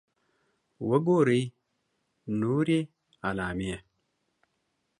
.وګورئ نورې علامې